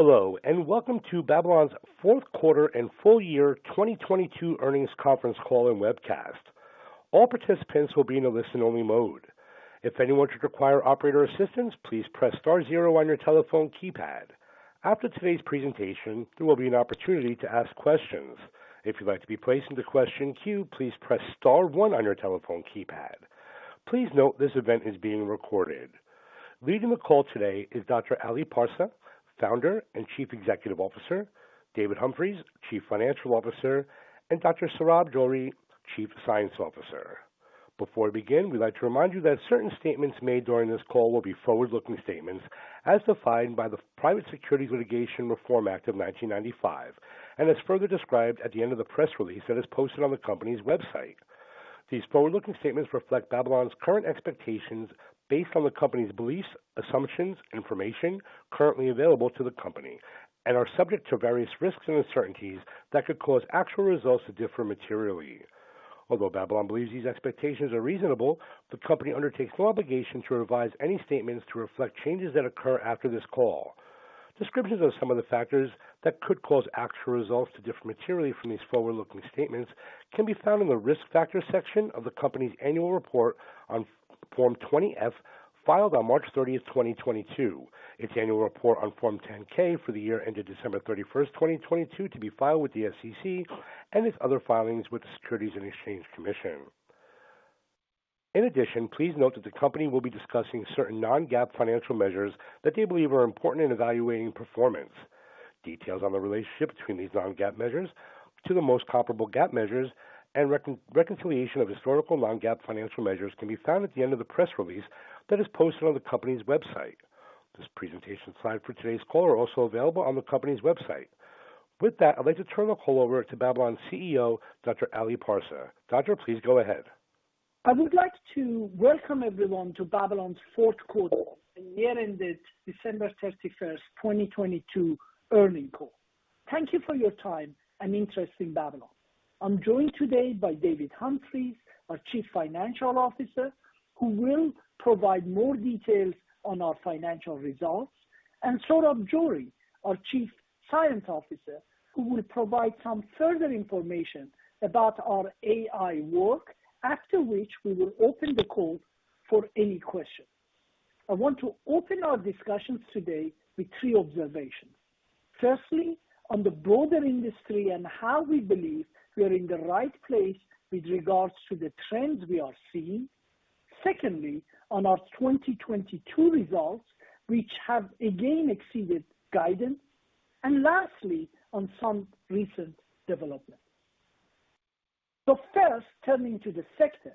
Hello, welcome to Babylon's fourth quarter and full year 2022 earnings conference call and webcast. All participants will be in a listen-only mode. If anyone should require operator assistance, please press star zero on your telephone keypad. After today's presentation, there will be an opportunity to ask questions. If you'd like to be placed into question queue, please press star one on your telephone keypad. Please note this event is being recorded. Leading the call today is Dr. Ali Parsa, Founder and Chief Executive Officer, David Humphreys, Chief Financial Officer, and Dr. Saurabh Johri, Chief Scientific Officer. Before we begin, we'd like to remind you that certain statements made during this call will be forward-looking statements as defined by the Private Securities Litigation Reform Act of 1995, and as further described at the end of the press release that is posted on the company's website. These forward-looking statements reflect Babylon's current expectations based on the company's beliefs, assumptions, information currently available to the company, and are subject to various risks and uncertainties that could cause actual results to differ materially. Although Babylon believes these expectations are reasonable, the company undertakes no obligation to revise any statements to reflect changes that occur after this call. Descriptions of some of the factors that could cause actual results to differ materially from these forward-looking statements can be found in the Risk Factors section of the company's annual report on Form 20-F, filed on March 30th, 2022. Its annual report on Form 10-K for the year ended December 31st, 2022, to be filed with the SEC, and its other filings with the Securities and Exchange Commission. In addition, please note that the company will be discussing certain non-GAAP financial measures that they believe are important in evaluating performance. Details on the relationship between these non-GAAP measures to the most comparable GAAP measures and reconciliation of historical non-GAAP financial measures can be found at the end of the press release that is posted on the company's website. This presentation slides for today's call are also available on the company's website. With that, I'd like to turn the call over to Babylon's CEO, Dr. Ali Parsa. Doctor, please go ahead. I would like to welcome everyone to Babylon's fourth quarter and year ended December 31st, 2022, earning call. Thank you for your time and interest in Babylon. I'm joined today by David Humphreys, our Chief Financial Officer, who will provide more details on our financial results, and Saurabh Johri, our Chief Science Officer, who will provide some further information about our AI work. After which, we will open the call for any questions. I want to open our discussions today with three observations. Firstly, on the broader industry and how we believe we are in the right place with regards to the trends we are seeing. Secondly, on our 2022 results, which have again exceeded guidance. Lastly, on some recent developments. First, turning to the sector.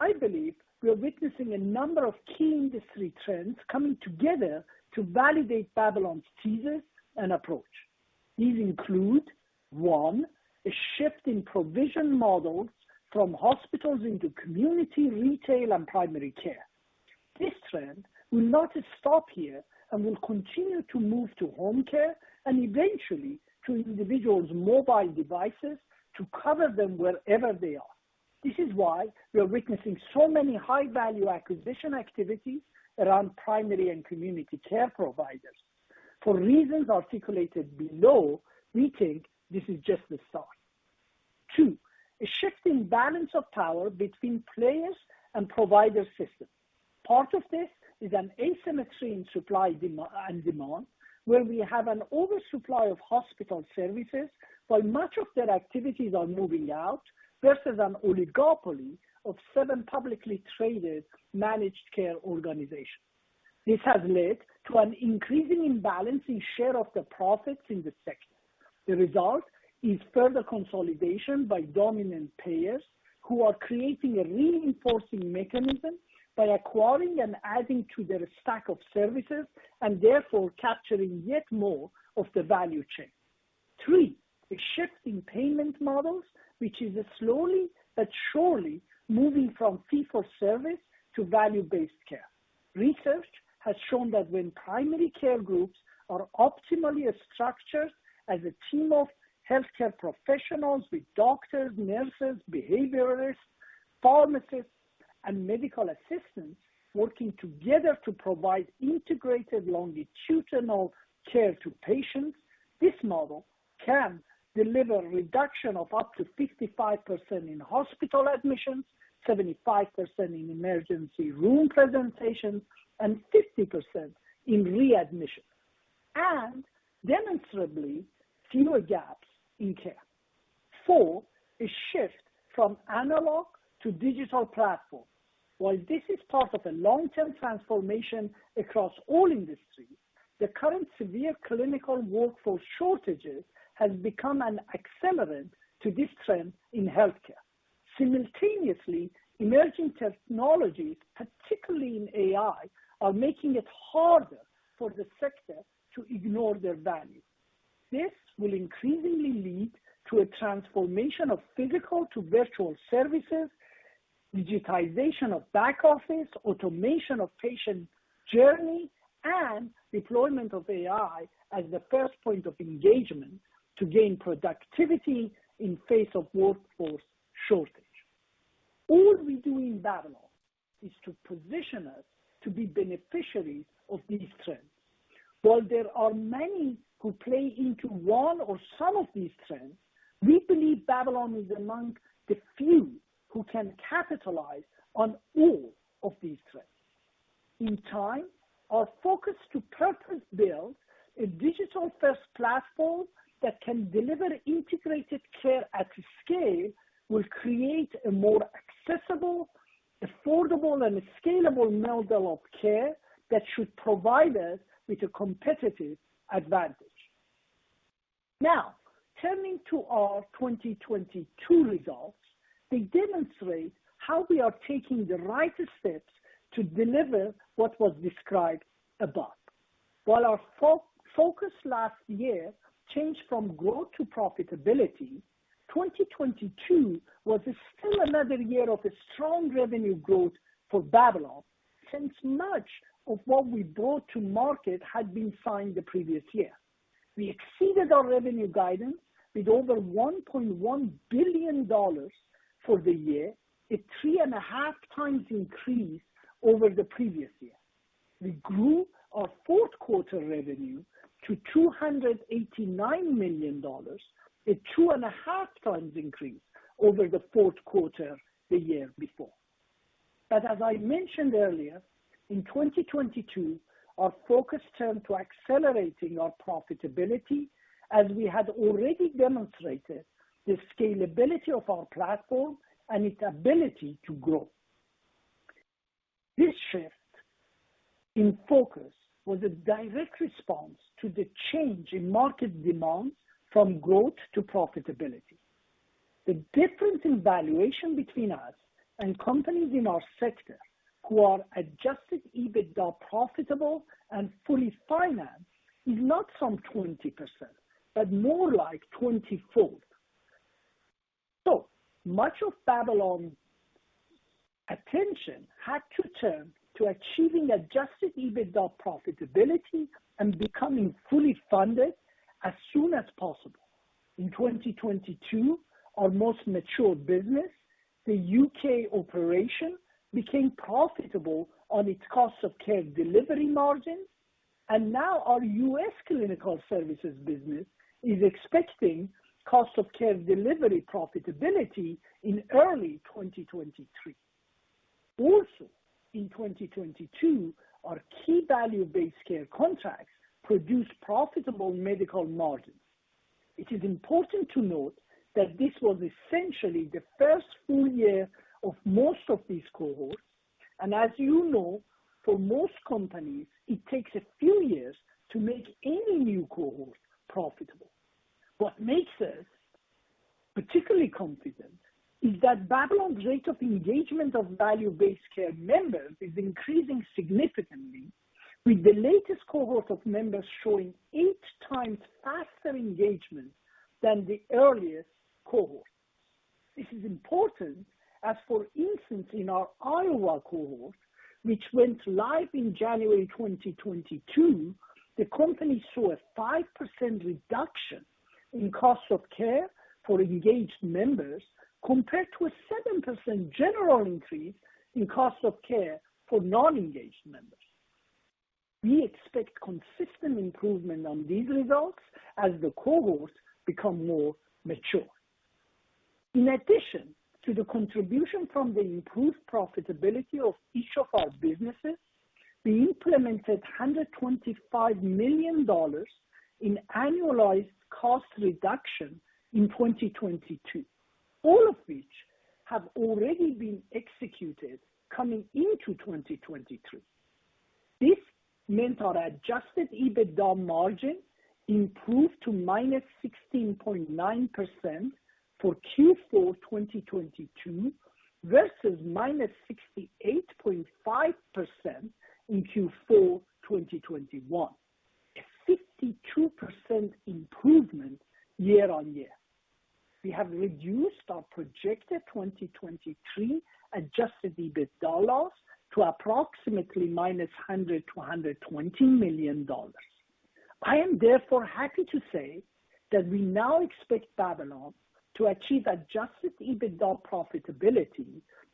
I believe we are witnessing a number of key industry trends coming together to validate Babylon's thesis and approach. These include, one, a shift in provision models from hospitals into community, retail, and primary care. This trend will not stop here and will continue to move to home care and eventually to individuals' mobile devices to cover them wherever they are. This is why we are witnessing so many high-value acquisition activities around primary and community care providers. For reasons articulated below, we think this is just the start. Two, a shift in balance of power between players and provider systems. Part of this is an asymmetry in supply and demand, where we have an oversupply of hospital services while much of their activities are moving out, versus an oligopoly of seven publicly traded managed care organizations. This has led to an increasing imbalance in share of the profits in the sector. The result is further consolidation by dominant payers who are creating a reinforcing mechanism by acquiring and adding to their stack of services and therefore capturing yet more of the value chain. Three, a shift in payment models, which is slowly but surely moving from fee-for-service to value-based care. Research has shown that when primary care groups are optimally structured as a team of healthcare professionals with doctors, nurses, behaviorists, pharmacists, and medical assistants working together to provide integrated longitudinal care to patients, this model can deliver a reduction of up to 55% in hospital admissions, 75% in emergency room presentations, and 50% in readmission, and demonstrably fewer gaps in care. Four, a shift from analog to digital platforms. While this is part of a long-term transformation across all industries, the current severe clinical workforce shortages has become an accelerant to this trend in healthcare. Simultaneously, emerging technologies, particularly in AI, are making it harder for the sector to ignore their value. This will increasingly lead to a transformation of physical to virtual services, digitization of back office, automation of patient journey, and deployment of AI as the first point of engagement to gain productivity in face of workforce shortage. All we do in Babylon is to position us to be beneficiaries of these trends. While there are many who play into one or some of these trends, we believe Babylon is among the few who can capitalize on all of these trends. In time, our focus to purpose-build a digital-first platform that can deliver integrated care at scale will create a more accessible, affordable, and scalable model of care that should provide us with a competitive advantage. Turning to our 2022 results, they demonstrate how we are taking the right steps to deliver what was described above. While our focus last year changed from growth to profitability, 2022 was still another year of a strong revenue growth for Babylon since much of what we brought to market had been signed the previous year. We exceeded our revenue guidance with over $1.1 billion for the year, a 3.5x increase over the previous year. We grew our fourth quarter revenue to $289 million, a 2.5x increase over the fourth quarter the year before. As I mentioned earlier, in 2022, our focus turned to accelerating our profitability as we had already demonstrated the scalability of our platform and its ability to grow. This shift in focus was a direct response to the change in market demand from growth to profitability. The difference in valuation between us and companies in our sector who are Adjusted EBITDA profitable and fully financed is not some 20%, but more like 20-fold. Much of Babylon attention had to turn to achieving Adjusted EBITDA profitability and becoming fully funded as soon as possible. In 2022, our most mature business, the U.K. operation, became profitable on its Cost of Care Delivery margins, and now our U.S. clinical services business is expecting Cost of Care Delivery profitability in early 2023. Also, in 2022, our key value-based care contracts produced profitable medical margins. It is important to note that this was essentially the first full year of most of these cohorts, and as you know, for most companies, it takes a few years to make any new cohort profitable. What makes us particularly confident is that Babylon's rate of engagement of value-based care members is increasing significantly, with the latest cohort of members showing eight times faster engagement than the earliest cohort. This is important as, for instance, in our Iowa cohort, which went live in January 2022, the company saw a 5% reduction in cost of care for engaged members, compared to a 7% general increase in cost of care for non-engaged members. We expect consistent improvement on these results as the cohorts become more mature. In addition to the contribution from the improved profitability of each of our businesses, we implemented $125 million in annualized cost reduction in 2022, all of which have already been executed coming into 2023. This meant our Adjusted EBITDA margin improved to -16.9% for Q4 2022 versus -68.5% in Q4 2021, a 52% improvement year-on-year. We have reduced our projected 2023 Adjusted EBITDA to approximately -$100 million-$120 million. I am therefore happy to say that we now expect Babylon to achieve Adjusted EBITDA profitability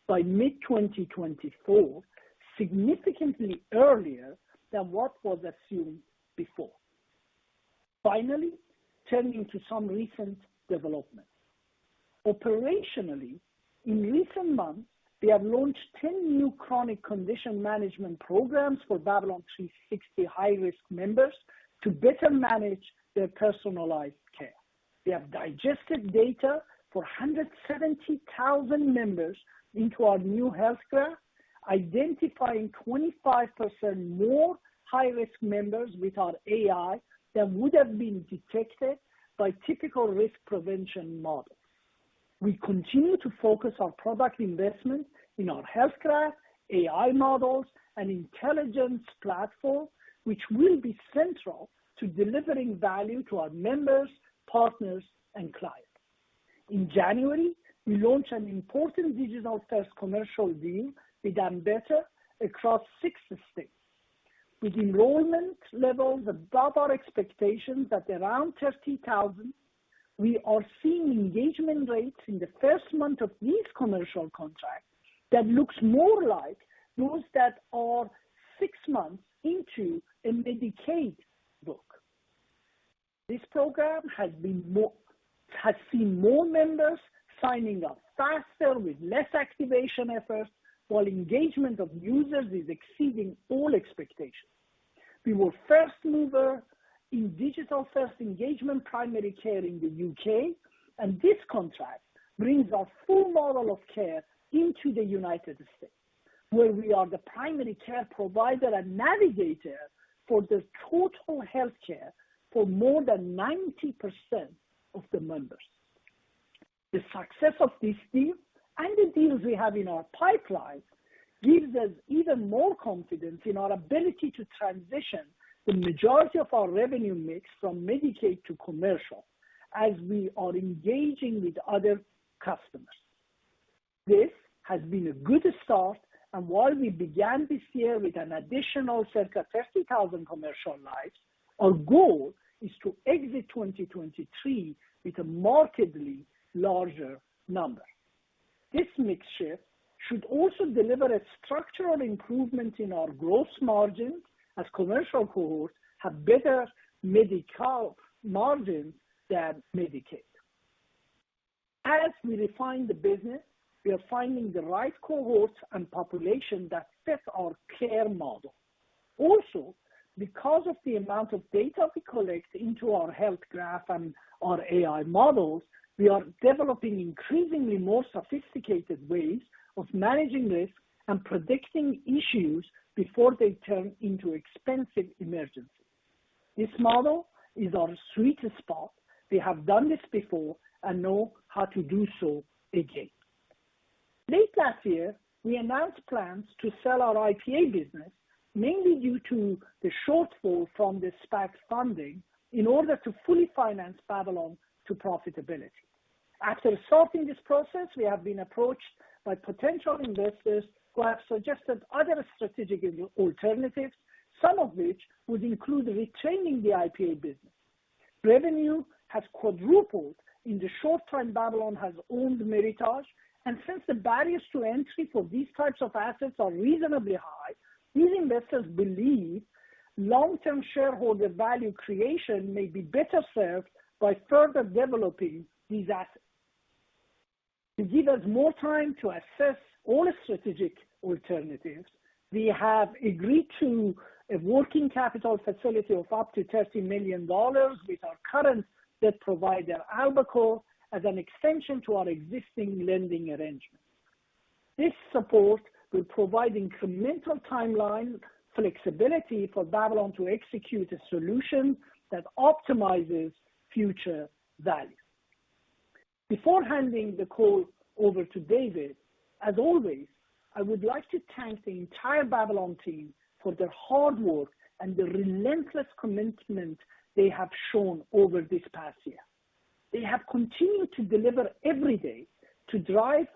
by mid-2024, significantly earlier than what was assumed before. Turning to some recent developments. Operationally, in recent months, we have launched 10 new chronic condition management programs for Babylon 360 high-risk members to better manage their personalized care. We have digested data for 170,000 members into our new Health Graph, identifying 25% more high-risk members with our AI than would have been detected by typical risk prevention models. We continue to focus our product investment in our Health Graph, AI models, and intelligence platform, which will be central to delivering value to our members, partners, and clients. In January, we launched an important digital-first commercial deal with Ambetter across six states. With enrollment levels above our expectations at around 30,000, we are seeing engagement rates in the first month of these commercial contracts that looks more like those that are six months into a Medicaid book. This program has seen more members signing up faster with less activation efforts, while engagement of users is exceeding all expectations. We were first mover in digital-first engagement primary care in the U.K., and this contract brings our full model of care into the United States, where we are the primary care provider and navigator for the total health care for more than 90% of the members. The success of this deal and the deals we have in our pipeline gives us even more confidence in our ability to transition the majority of our revenue mix from Medicaid to commercial as we are engaging with other customers. This has been a good start, and while we began this year with an additional circa 30,000 commercial lives, our goal is to exit 2023 with a markedly larger number. This mix shift should also deliver a structural improvement in our gross margin as commercial cohorts have better medical margin than Medicaid. As we refine the business, we are finding the right cohorts and population that fits our care model. Because of the amount of data we collect into our Health Graph and our AI models, we are developing increasingly more sophisticated ways of managing risk and predicting issues before they turn into expensive emergencies. This model is our sweet spot. We have done this before and know how to do so again. Late last year, we announced plans to sell our IPA business, mainly due to the shortfall from the SPAC funding in order to fully finance Babylon to profitability. After starting this process, we have been approached by potential investors who have suggested other strategic alternatives, some of which would include retaining the IPA business. Revenue has quadrupled in the short time Babylon has owned Meritage, and since the barriers to entry for these types of assets are reasonably high, these investors believe long-term shareholder value creation may be better served by further developing these assets. To give us more time to assess all strategic alternatives, we have agreed to a working capital facility of up to $30 million with our current debt provider, AlbaCore, as an extension to our existing lending arrangement. This support will provide incremental timeline flexibility for Babylon to execute a solution that optimizes future value. Before handing the call over to David, as always, I would like to thank the entire Babylon team for their hard work and the relentless commitment they have shown over this past year. They have continued to deliver every day to drive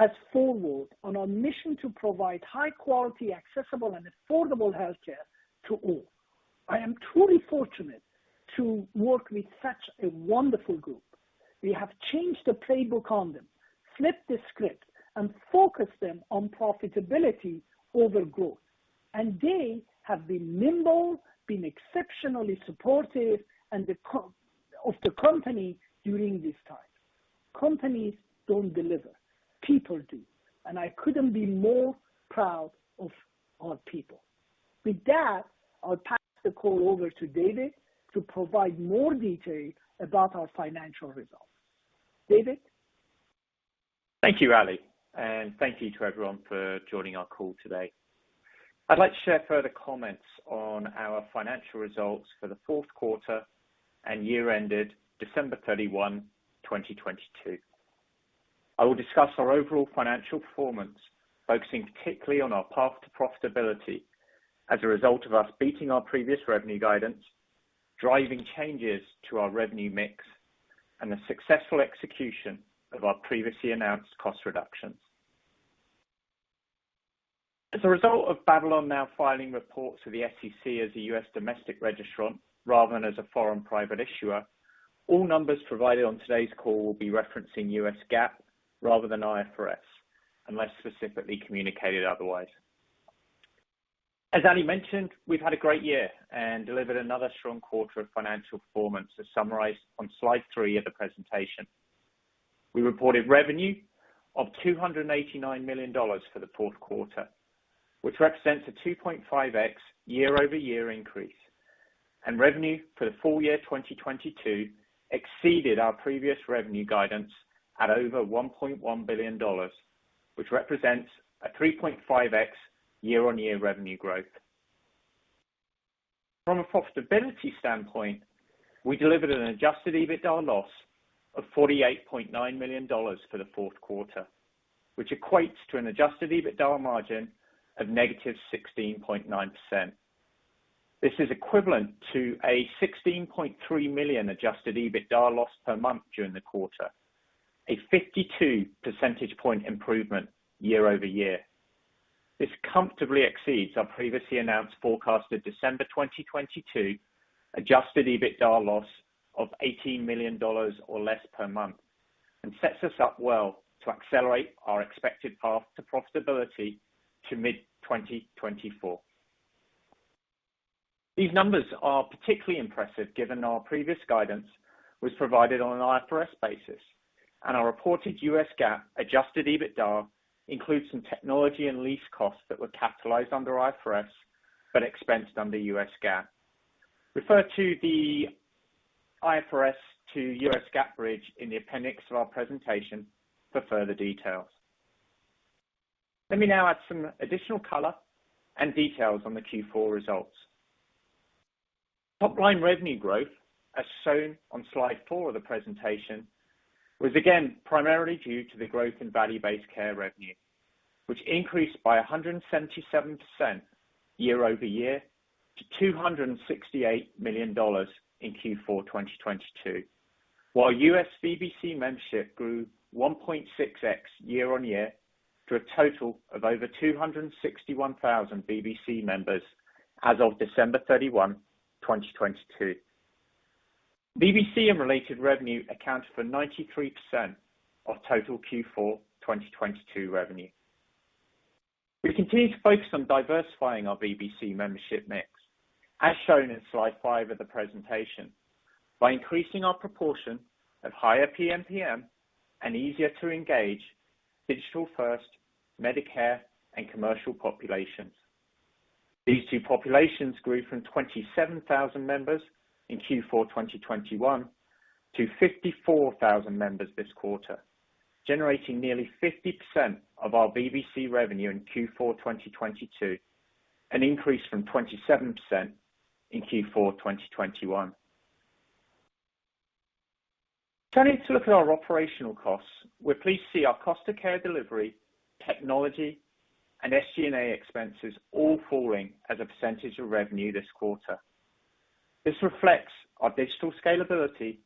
us forward on our mission to provide high quality, accessible and affordable health care to all. I am truly fortunate to work with such a wonderful group. We have changed the playbook on them, flipped the script and focused them on profitability over growth. They have been nimble, been exceptionally supportive, of the company during this time. Companies don't deliver. People do. I couldn't be more proud of our people. With that, I'll pass the call over to David to provide more detail about our financial results. David. Thank you, Ali. Thank you to everyone for joining our call today. I'd like to share further comments on our financial results for the fourth quarter and year ended December 31, 2022. I will discuss our overall financial performance, focusing particularly on our path to profitability as a result of us beating our previous revenue guidance, driving changes to our revenue mix, and the successful execution of our previously announced cost reductions. As a result of Babylon now filing reports to the SEC as a U.S. domestic registrant rather than as a foreign private issuer, all numbers provided on today's call will be referencing U.S. GAAP rather than IFRS, unless specifically communicated otherwise. As Ali mentioned, we've had a great year and delivered another strong quarter of financial performance, as summarized on slide three of the presentation. We reported revenue of $289 million for the fourth quarter, which represents a 2.5x year-over-year increase. Revenue for the full year 2022 exceeded our previous revenue guidance at over $1.1 billion, which represents a 3.5x year-on-year revenue growth. From a profitability standpoint, we delivered an Adjusted EBITDA loss of $48.9 million for the fourth quarter, which equates to an Adjusted EBITDA margin of negative 16.9%. This is equivalent to a $16.3 million Adjusted EBITDA loss per month during the quarter. A 52 percentage point improvement year-over-year. This comfortably exceeds our previously announced forecasted December 2022 Adjusted EBITDA loss of $18 million or less per month, and sets us up well to accelerate our expected path to profitability to mid-2024. These numbers are particularly impressive given our previous guidance was provided on an IFRS basis, and our reported U.S. GAAP Adjusted EBITDA includes some technology and lease costs that were capitalized under IFRS, but expensed under U.S. GAAP. Refer to the IFRS to U.S. GAAP bridge in the appendix of our presentation for further details. Let me now add some additional color and details on the Q4 results. Top line revenue growth, as shown on slide four of the presentation, was again primarily due to the growth in value-based care revenue, which increased by 177% year-over-year to $268 million in Q4, 2022. While U.S. VBC membership grew 1.6x year-on-year to a total of over 261,000 VBC members as of December 31, 2022. VBC and related revenue accounted for 93% of total Q4 2022 revenue. We continue to focus on diversifying our VBC membership mix, as shown in slide five of the presentation. By increasing our proportion of higher PMPM and easier to engage digital-first Medicare and commercial populations. These two populations grew from 27,000 members in Q4 2021 to 54,000 members this quarter, generating nearly 50% of our VBC revenue in Q4 2022, an increase from 27% in Q4 2021. Turning to look at our operational costs. We're pleased to see our Cost of Care Delivery, technology, and SG&A expenses all falling as a percentage of revenue this quarter. This reflects our digital scalability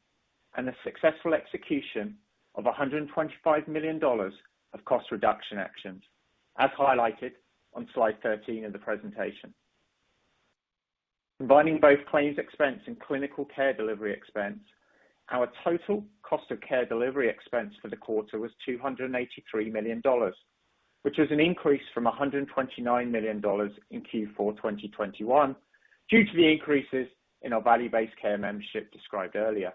and the successful execution of $125 million of cost reduction actions, as highlighted on slide 13 of the presentation. Combining both claims expense and clinical care delivery expense, our total Cost of Care Delivery expense for the quarter was $283 million, which is an increase from $129 million in Q4 2021, due to the increases in our value-based care membership described earlier.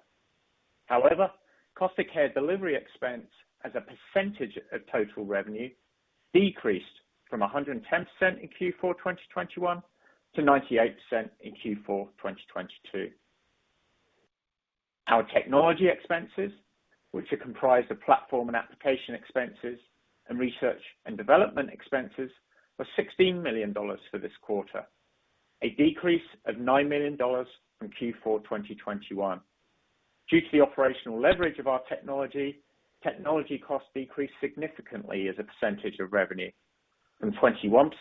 However, Cost of Care Delivery expense as a percentage of total revenue decreased from 110% in Q4 2021 to 98% in Q4 2022. Our technology expenses, which are comprised of platform and application expenses and research and development expenses, were $16 million for this quarter, a decrease of $9 million from Q4 2021. Due to the operational leverage of our technology costs decreased significantly as a percentage of revenue from 21%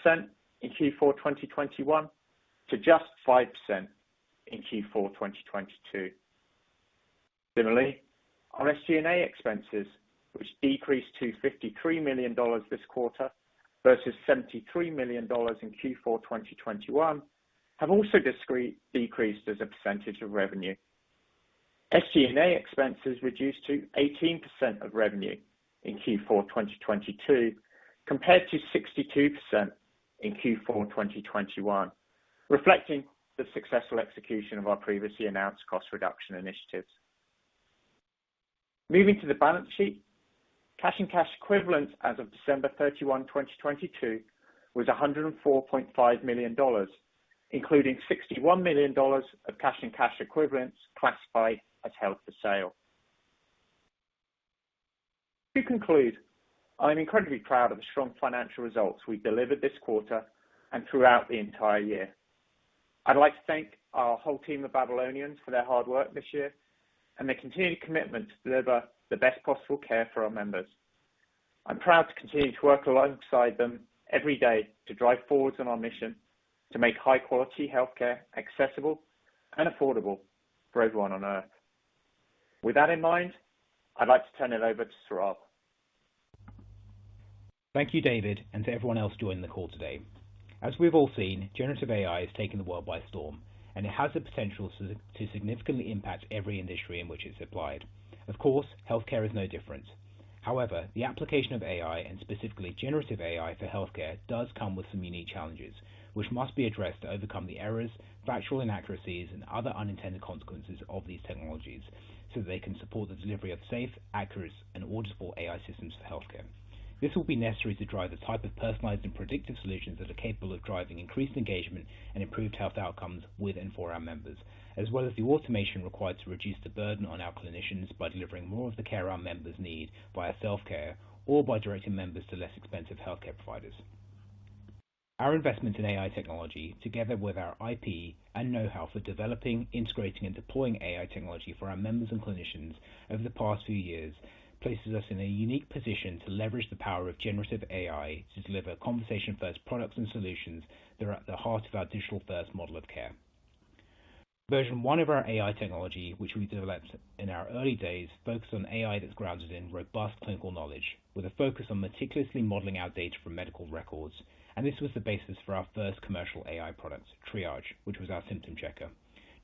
in Q4 2021 to just 5% in Q4 2022. Similarly, our SG&A expenses, which decreased to $53 million this quarter versus $73 million in Q4 2021, have also decreased as a percentage of revenue. SG&A expenses reduced to 18% of revenue in Q4 2022, compared to 62% in Q4 2021, reflecting the successful execution of our previously announced cost reduction initiatives. Moving to the balance sheet. Cash and cash equivalents as of December 31, 2022 was $104.5 million, including $61 million of cash and cash equivalents classified as held for sale. To conclude, I am incredibly proud of the strong financial results we delivered this quarter and throughout the entire year. I'd like to thank our whole team of Babylonians for their hard work this year and their continued commitment to deliver the best possible care for our members. I'm proud to continue to work alongside them every day to drive forwards on our mission to make high quality healthcare accessible and affordable for everyone on Earth. With that in mind, I'd like to turn it over to Saurabh. Thank you, David, and to everyone else joining the call today. As we've all seen, generative AI has taken the world by storm, and it has the potential to significantly impact every industry in which it's applied. Of course, healthcare is no different. However, the application of AI, and specifically generative AI for healthcare does come with some unique challenges, which must be addressed to overcome the errors, factual inaccuracies, and other unintended consequences of these technologies, so they can support the delivery of safe, accurate, and auditable AI systems for healthcare. This will be necessary to drive the type of personalized and predictive solutions that are capable of driving increased engagement and improved health outcomes with and for our members. As well as the automation required to reduce the burden on our clinicians by delivering more of the care our members need via self-care, or by directing members to less expensive healthcare providers. Our investment in AI technology, together with our IP and know-how for developing, integrating, and deploying AI technology for our members and clinicians over the past few years, places us in a unique position to leverage the power of generative AI to deliver conversation-first products and solutions that are at the heart of our digital-first model of care. Version one of our AI technology, which we developed in our early days, focused on AI that's grounded in robust clinical knowledge with a focus on meticulously modeling our data from medical records. This was the basis for our first commercial AI product, Triage, which was our symptom checker.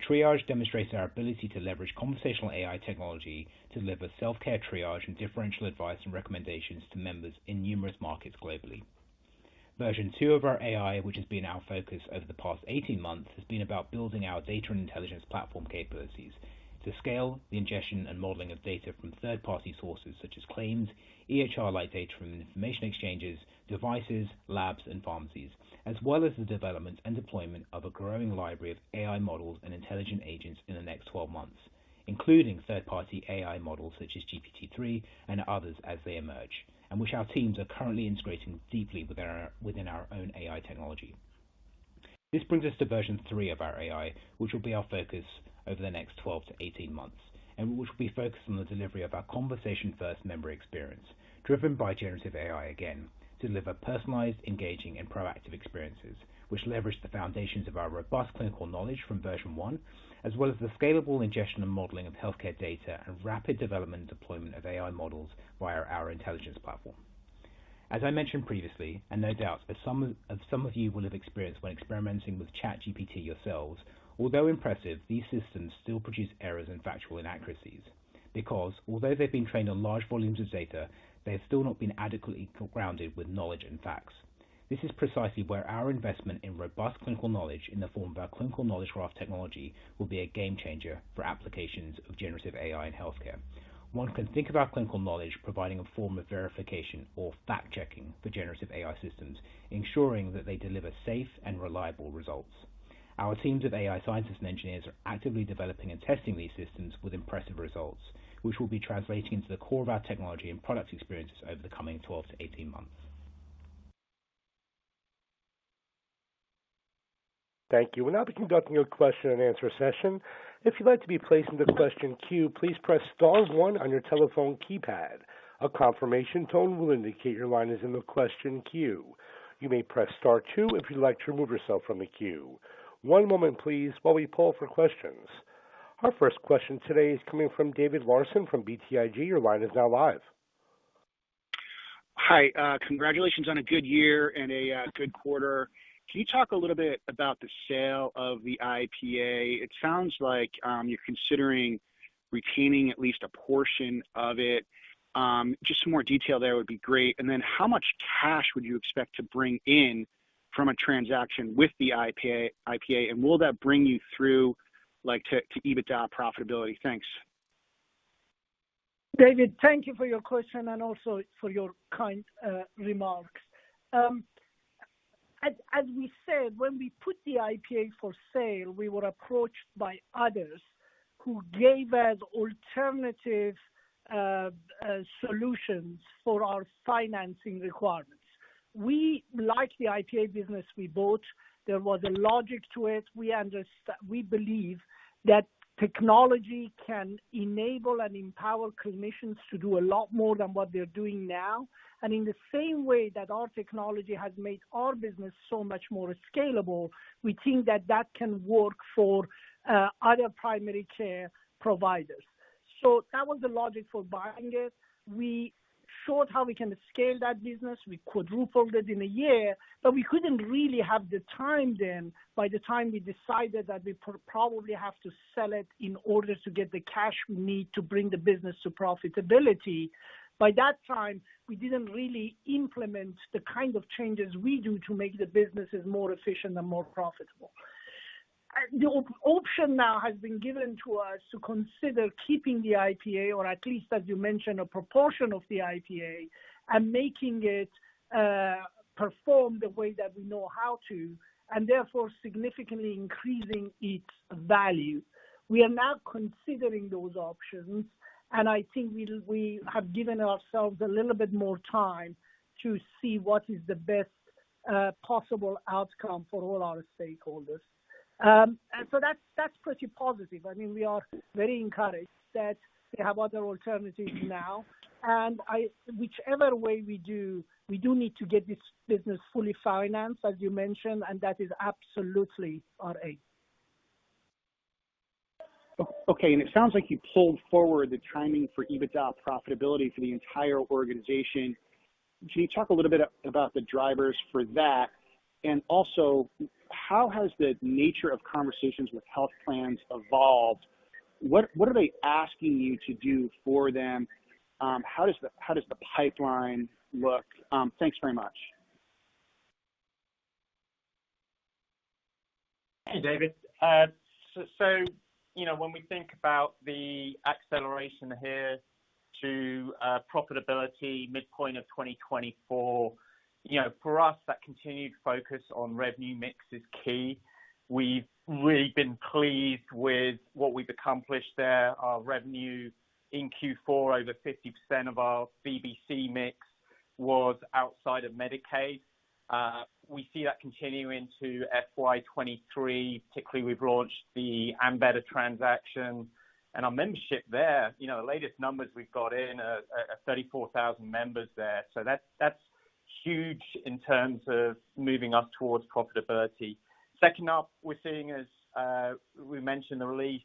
Triage demonstrates our ability to leverage conversational AI technology to deliver self-care triage and differential advice and recommendations to members in numerous markets globally. Version two of our AI, which has been our focus over the past 18 months, has been about building our data and intelligence platform capabilities to scale the ingestion and modeling of data from third-party sources such as claims, EHR-like data from information exchanges, devices, labs, and pharmacies, as well as the development and deployment of a growing library of AI models and intelligent agents in the next 12 months, including third-party AI models such as GPT-3 and others as they emerge, and which our teams are currently integrating deeply within our own AI technology. This brings us to version three of our AI, which will be our focus over the next 12-18 months, and which will be focused on the delivery of our conversation-first member experience, driven by generative AI again, to deliver personalized, engaging, and proactive experiences which leverage the foundations of our robust clinical knowledge from version one, as well as the scalable ingestion and modeling of healthcare data and rapid development and deployment of AI models via our intelligence platform. As I mentioned previously, and no doubt as some of you will have experienced when experimenting with ChatGPT yourselves, although impressive, these systems still produce errors and factual inaccuracies because although they've been trained on large volumes of data, they have still not been adequately grounded with knowledge and facts. This is precisely where our investment in robust clinical knowledge in the form of our clinical knowledge graph technology will be a game changer for applications of generative AI in healthcare. One can think of our clinical knowledge providing a form of verification or fact-checking for generative AI systems, ensuring that they deliver safe and reliable results. Our teams of AI scientists and engineers are actively developing and testing these systems with impressive results, which will be translating into the core of our technology and product experiences over the coming 12-18 months. Thank you. We'll now be conducting a question-and-answer session. If you'd like to be placed into the question queue, please press star one on your telephone keypad. A confirmation tone will indicate your line is in the question queue. You may press star two if you'd like to remove yourself from the queue. One moment please while we poll for questions. Our first question today is coming from David Larsen from BTIG. Your line is now live. Hi, congratulations on a good year and a good quarter. Can you talk a little bit about the sale of the IPA? It sounds like you're considering retaining at least a portion of it. Just some more detail there would be great. How much cash would you expect to bring in from a transaction with the IPA? Will that bring you through like to EBITDA profitability? Thanks. David, thank you for your question and also for your kind remarks. As we said, when we put the IPA for sale, we were approached by others who gave us alternative solutions for our financing requirements. We like the IPA business we bought. There was a logic to it. We believe that technology can enable and empower clinicians to do a lot more than what they're doing now. In the same way that our technology has made our business so much more scalable, we think that that can work for other primary care providers. That was the logic for buying it. We showed how we can scale that business. We quadrupled it in a year, but we couldn't really have the time then by the time we decided that we probably have to sell it in order to get the cash we need to bring the business to profitability. By that time, we didn't really implement the kind of changes we do to make the businesses more efficient and more profitable. The option now has been given to us to consider keeping the IPA, or at least, as you mentioned, a proportion of the IPA and making it perform the way that we know how to, and therefore significantly increasing its value. We are now considering those options, and I think we have given ourselves a little bit more time to see what is the best possible outcome for all our stakeholders. That's, that's pretty positive. I mean, we are very encouraged that we have other alternatives now. Whichever way we do, we do need to get this business fully financed, as you mentioned, and that is absolutely our aim. Okay. It sounds like you pulled forward the timing for EBITDA profitability for the entire organization. Can you talk a little bit about the drivers for that? Also how has the nature of conversations with health plans evolved? What are they asking you to do for them? How does the pipeline look? Thanks very much. Hey, David, you know, when we think about the acceleration here to profitability midpoint of 2024, you know, for us, that continued focus on revenue mix is key. We've really been pleased with what we've accomplished there. Our revenue in Q4, over 50% of our VBC mix was outside of Medicaid. We see that continuing to FY 2023, particularly, we've launched the Ambetter transaction, and our membership there, you know, the latest numbers we've got in are 34,000 members there. That's huge in terms of moving us towards profitability. Second up, we're seeing as we mentioned the release,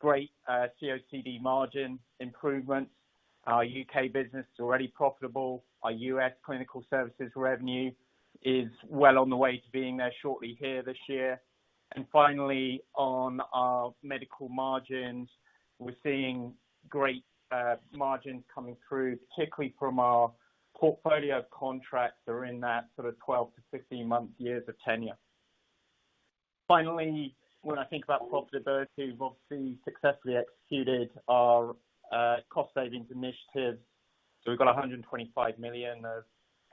great COCD margin improvement. Our U.K. business is already profitable. Our U.S. clinical services revenue is well on the way to being there shortly here this year. Finally, on our medical margins, we're seeing great margins coming through, particularly from our portfolio of contracts that are in that sort of 12-15 month years of tenure. Finally, when I think about profitability, we've obviously successfully executed our cost savings initiative. We've got $125 million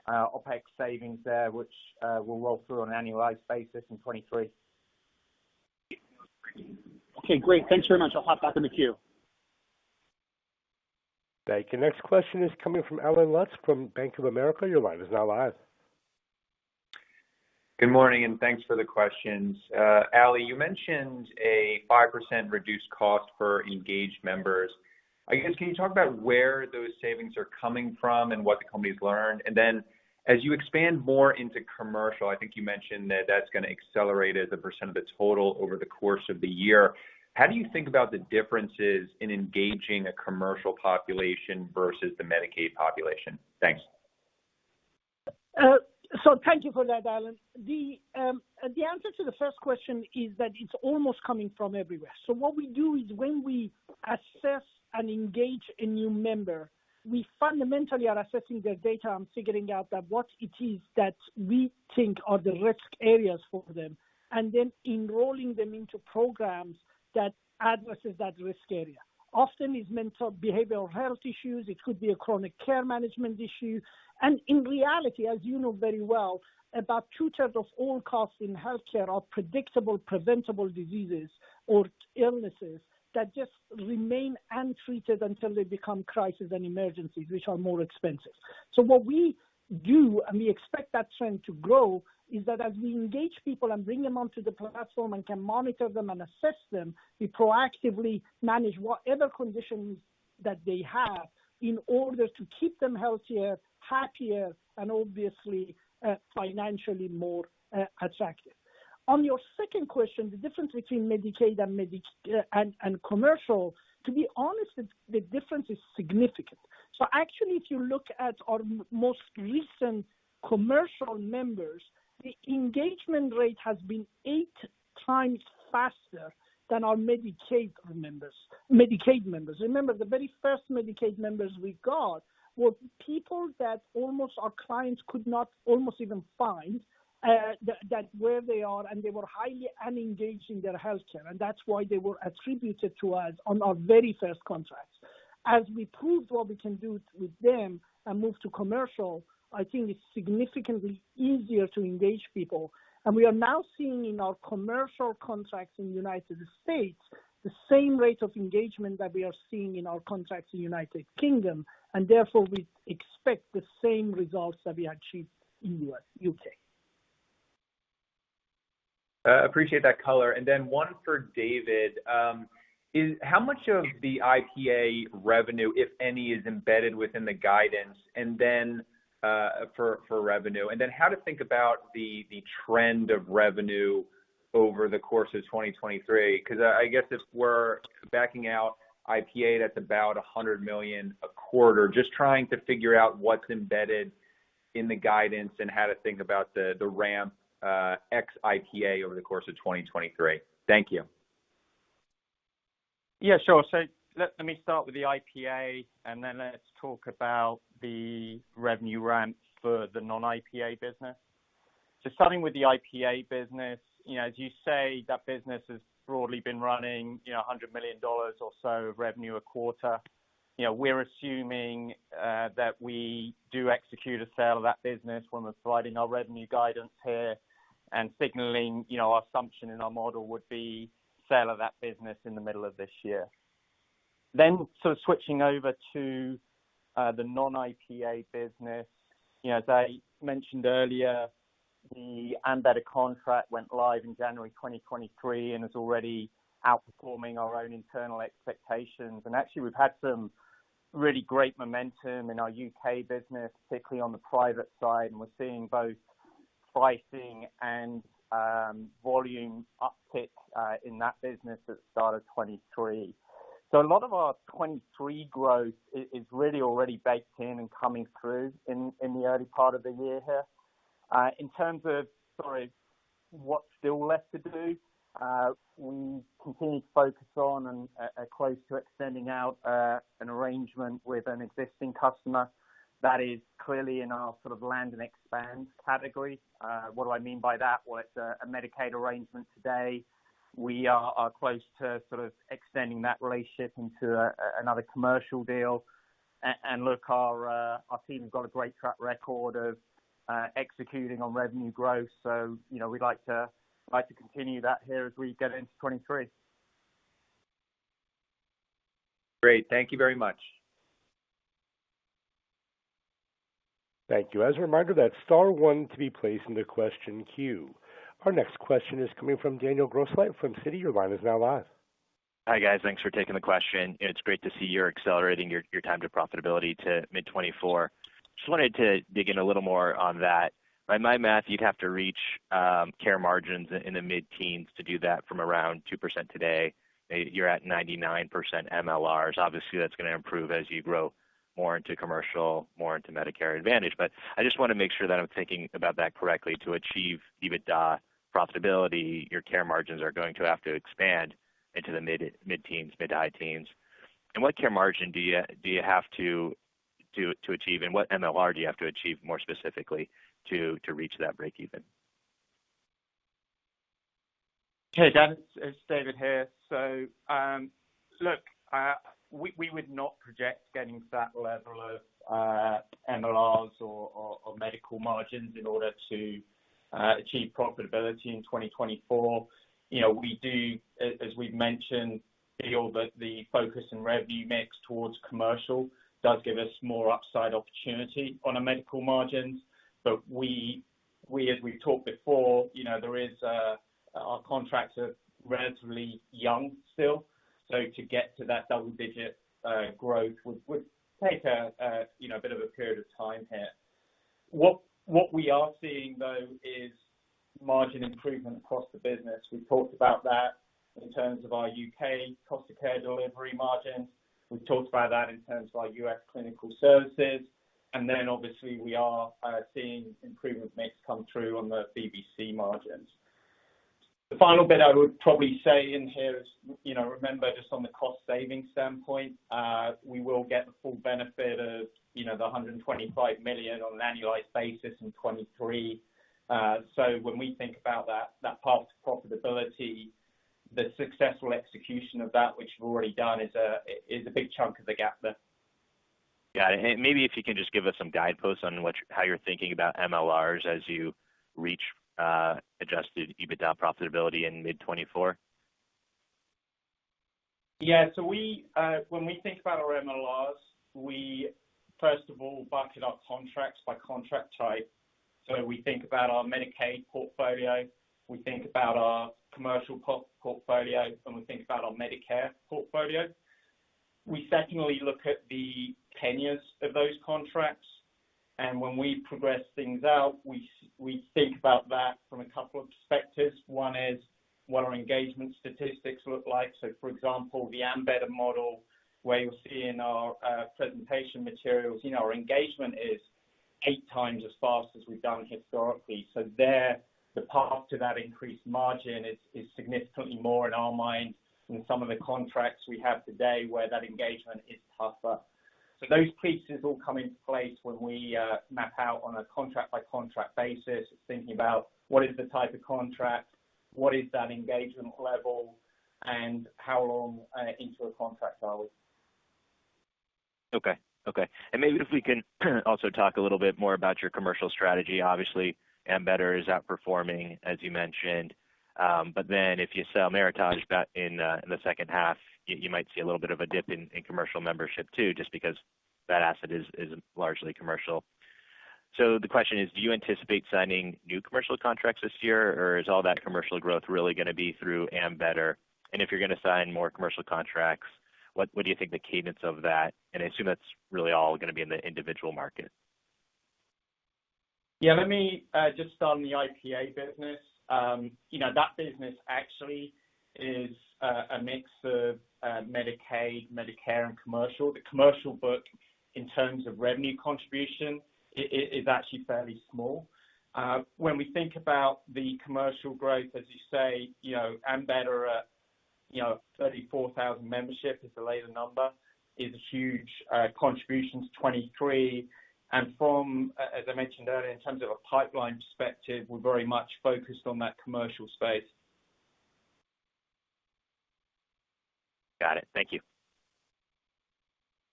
of OPEX savings there, which will roll through on an annualized basis in 2023. Okay, great. Thanks very much. I'll hop back in the queue. Thank you. Next question is coming from Allen Lutz from Bank of America. Your line is now live. Good morning, thanks for the questions. Ali, you mentioned a 5% reduced cost for engaged members. I guess, can you talk about where those savings are coming from and what the company's learned? As you expand more into commercial, I think you mentioned that that's going to accelerate as a percentage of the total over the course of the year. How do you think about the differences in engaging a commercial population versus the Medicaid population? Thanks. Thank you for that, Allen. The answer to the first question is that it's almost coming from everywhere. What we do is when we assess and engage a new member, we fundamentally are assessing their data and figuring out that what it is that we think are the risk areas for them, and then enrolling them into programs that addresses that risk area. Often it's mental behavioral health issues, it could be a chronic care management issue. In reality, as you know very well, about 2/3 of all costs in healthcare are predictable, preventable diseases or illnesses that just remain untreated until they become crisis and emergencies, which are more expensive. What we do, and we expect that trend to grow, is that as we engage people and bring them onto the platform and can monitor them and assess them, we proactively manage whatever conditions that they have in order to keep them healthier, happier, and obviously, financially more attractive. On your second question, the difference between Medicaid and commercial, to be honest, the difference is significant. Actually, if you look at our most recent commercial members, the engagement rate has been eight times faster than our Medicaid members. Medicaid members. Remember, the very first Medicaid members we got were people that almost our clients could not almost even find that where they are, and they were highly unengaged in their healthcare, and that's why they were attributed to us on our very first contract. As we proved what we can do with them and move to commercial, I think it's significantly easier to engage people. We are now seeing in our commercial contracts in United States, the same rate of engagement that we are seeing in our contracts in United Kingdom, and therefore we expect the same results that we achieved in U.S. and U.K. Appreciate that color. One for David. How much of the IPA revenue, if any, is embedded within the guidance? Then for revenue. Then how to think about the trend of revenue over the course of 2023. Cause I guess if we're backing out IPA, that's about $100 million a quarter. Just trying to figure out what's embedded in the guidance and how to think about the ramp ex-IPA over the course of 2023. Thank you. Yeah, sure. Let me start with the IPA and then let's talk about the revenue ramp for the non-IPA business. Starting with the IPA business, you know, as you say, that business has broadly been running, you know, $100 million or so of revenue a quarter. You know, we're assuming that we do execute a sale of that business when we're providing our revenue guidance here and signaling, you know, our assumption in our model would be sale of that business in the middle of this year. Sort of switching over to the non-IPA business. You know, as I mentioned earlier, the Ambetter contract went live in January 2023 and is already outperforming our own internal expectations. Actually, we've had some really great momentum in our U.K. business, particularly on the private side, and we're seeing both pricing and volume uptick in that business at the start of 2023. A lot of our 2023 growth is really already baked in and coming through in the early part of the year here. In terms of, sorry, what's still left to do, we continue to focus on and are close to extending out an arrangement with an existing customer that is clearly in our sort of land and expand category. What do I mean by that? Well, it's a Medicaid arrangement today. We are close to sort of extending that relationship into another commercial deal. Look, our team's got a great track record of executing on revenue growth. You know, we'd like to continue that here as we get into 2023. Great. Thank you very much. Thank you. As a reminder, that's star one to be placed in the question queue. Our next question is coming from Daniel Grosslight from Citi. Your line is now live. Hi guys. Thanks for taking the question. It's great to see you're accelerating your time to profitability to mid-2024. Just wanted to dig in a little more on that. By my math, you'd have to reach care margins in the mid-teens to do that from around 2% today. You're at 99% MLRs. Obviously, that's gonna improve as you grow more into commercial, more into Medicare Advantage. I just wanna make sure that I'm thinking about that correctly. To achieve EBITDA profitability, your care margins are going to have to expand into the mid-teens, mid-high teens. What care margin do you have to achieve, and what MLR do you have to achieve more specifically to reach that breakeven? Dan, it's David here. Look, we would not project getting to that level of MLRs or medical margins in order to achieve profitability in 2024. You know, we do as we've mentioned, feel that the focus and revenue mix towards commercial does give us more upside opportunity on our medical margins. We as we've talked before, you know, Our contracts are relatively young still, so to get to that double-digit growth would take a, you know, a bit of a period of time here. We are seeing though is margin improvement across the business. We talked about that in terms of our U.K. Cost of Care Delivery margin. We talked about that in terms of our U.S. clinical services, then obviously we are seeing improvement mix come through on the VBC margins. The final bit I would probably say in here is, you know, remember just on the cost saving standpoint, we will get the full benefit of, you know, the $125 million on an annualized basis in 2023. When we think about that path to profitability, the successful execution of that which we've already done is a big chunk of the gap there. Got it. Maybe if you can just give us some guideposts on how you're thinking about MLRs as you reach Adjusted EBITDA profitability in mid-2024. When we think about our MLRs, we first of all bucket our contracts by contract type. We think about our Medicaid portfolio, we think about our commercial portfolio, and we think about our Medicare portfolio. We secondly look at the tenures of those contracts. When we progress things out, we think about that from a couple of perspectives. One is what our engagement statistics look like. For example, the Ambetter model, where you'll see in our presentation materials, you know, our engagement is eight times as fast as we've done historically. There, the path to that increased margin is significantly more in our mind than some of the contracts we have today where that engagement is tougher. Those pieces all come into place when we map out on a contract by contract basis, thinking about what is the type of contract, what is that engagement level, and how long into the contract are we. Okay. Okay. Maybe if we can also talk a little bit more about your commercial strategy. Obviously, Ambetter is outperforming, as you mentioned. If you sell Meritage back in the second half, you might see a little bit of a dip in commercial membership too, just because that asset is largely commercial. The question is, do you anticipate signing new commercial contracts this year, or is all that commercial growth really going to be through Ambetter? If you're going to sign more commercial contracts, what do you think the cadence of that? I assume that's really all going to be in the individual market. Yeah, let me, just on the IPA business. You know, that business actually is a mix of Medicaid, Medicare, and commercial. The commercial book, in terms of revenue contribution, is actually fairly small. When we think about the commercial growth, as you say, you know, Ambetter at, you know, 34,000 membership is the latest number, is a huge contribution to 2023. From, as I mentioned earlier, in terms of a pipeline perspective, we're very much focused on that commercial space. Got it. Thank you.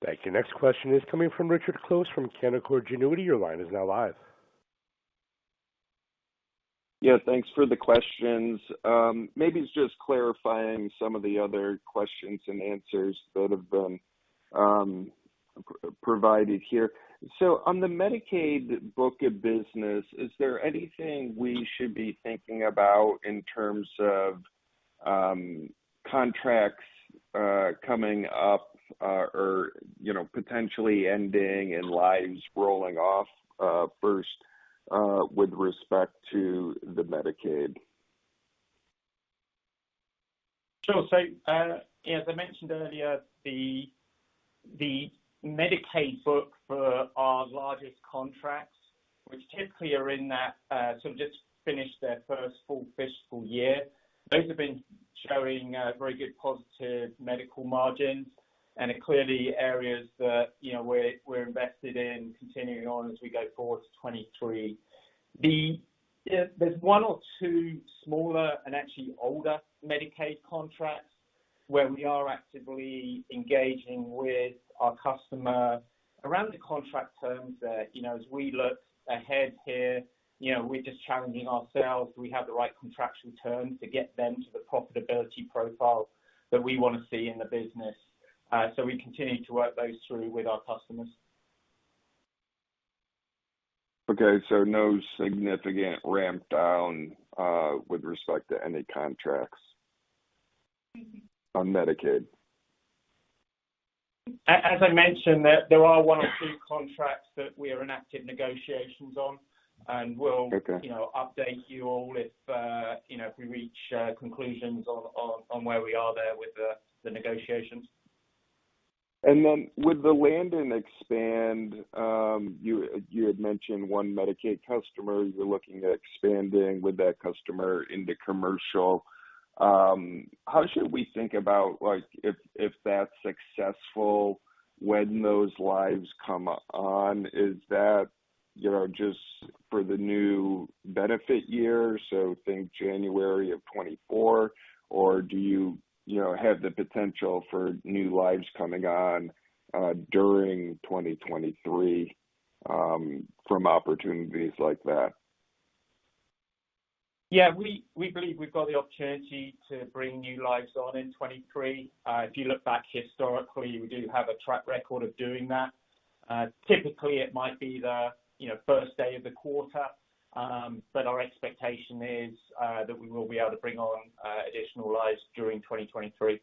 Thank you. Next question is coming from Richard Close from Canaccord Genuity. Your line is now live. Yeah, thanks for the questions. Maybe it's just clarifying some of the other questions and answers that have been provided here. On the Medicaid book of business, is there anything we should be thinking about in terms of contracts coming up or, you know, potentially ending and lives rolling off first with respect to the Medicaid? Sure. As I mentioned earlier, the Medicaid book for our largest contracts, which typically are in that sort of just finished their first full fiscal year. Those have been showing very good positive medical margins, and are clearly areas that, you know, we're invested in continuing on as we go forward to 2023. There's one or two smaller and actually older Medicaid contracts where we are actively engaging with our customer around the contract terms that, you know, as we look ahead here, you know, we're just challenging ourselves. Do we have the right contractual terms to get them to the profitability profile that we wanna see in the business? So we continue to work those through with our customers. Okay. No significant ramp down, with respect to any contracts on Medicaid? As I mentioned, there are one or two contracts that we are in active negotiations on. Okay. You know, update you all if, you know, if we reach conclusions on where we are there with the negotiations. With the land and expand, you had mentioned one Medicaid customer you're looking at expanding with that customer into commercial. How should we think about, like if that's successful when those lives come on, is that, you know, just for the new benefit year, so think January of 2024, or do you know, have the potential for new lives coming on during 2023 from opportunities like that? We believe we've got the opportunity to bring new lives on in 2023. If you look back historically, we do have a track record of doing that. Typically, it might be the you know, first day of the quarter. Our expectation is that we will be able to bring on additional lives during 2023.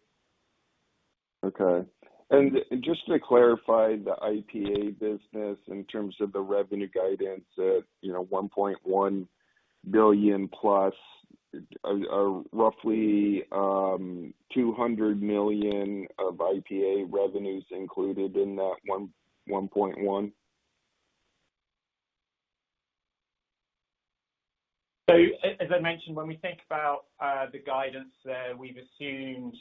Okay. Just to clarify the IPA business in terms of the revenue guidance at, you know, $1.1 billion+, roughly, $200 million of IPA revenues included in that $1.1 billion. As I mentioned, when we think about the guidance there, we've assumed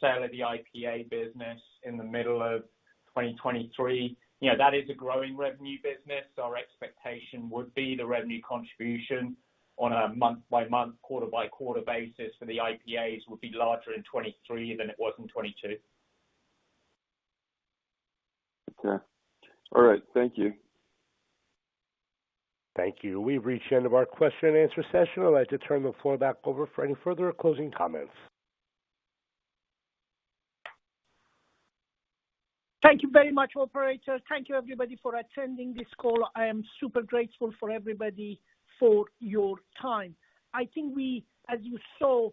sale of the IPA business in the middle of 2023. You know, that is a growing revenue business. Our expectation would be the revenue contribution on a month-by-month, quarter-by-quarter basis for the IPAs would be larger in 2023 than it was in 2022. Okay. All right. Thank you. Thank you. We've reached the end of our question and answer session. I'd like to turn the floor back over for any further closing comments. Thank you very much, operator. Thank you everybody for attending this call. I am super grateful for everybody for your time. As you saw,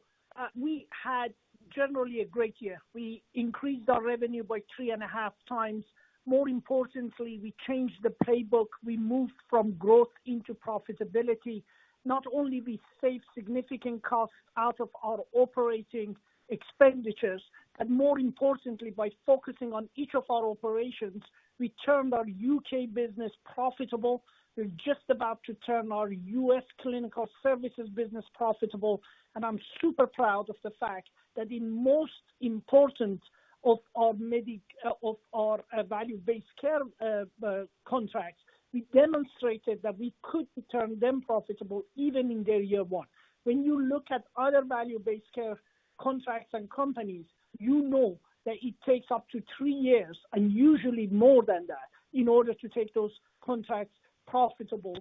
we had generally a great year. We increased our revenue by 3.5x. More importantly, we changed the playbook. We moved from growth into profitability. Not only we saved significant costs out of our operating expenditures, more importantly, by focusing on each of our operations, we turned our U.K. business profitable. We're just about to turn our U.S. clinical services business profitable. I'm super proud of the fact that the most important of our value-based care contracts, we demonstrated that we could turn them profitable even in their year one. When you look at other value-based care contracts and companies, you know that it takes up to three years, and usually more than that, in order to take those contracts profitable.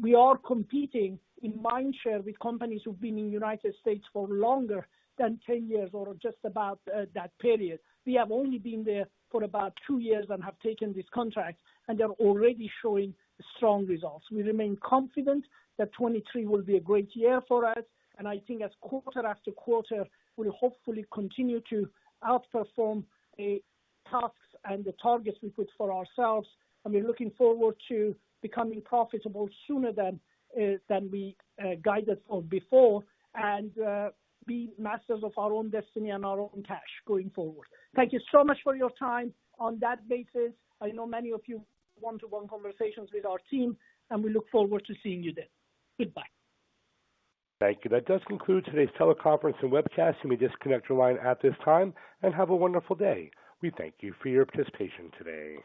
We are competing in mind share with companies who've been in United States for longer than 10 years or just about that period. We have only been there for about two years and have taken this contract, and they're already showing strong results. We remain confident that 2023 will be a great year for us, and I think as quarter after quarter, we'll hopefully continue to outperform the tasks and the targets we put for ourselves. We're looking forward to becoming profitable sooner than we guided for before and be masters of our own destiny and our own cash going forward. Thank you so much for your time. On that basis, I know many of you one-to-one conversations with our team, and we look forward to seeing you then. Goodbye. Thank you. That does conclude today's teleconference and webcast. You may disconnect your line at this time, and have a wonderful day. We thank you for your participation today.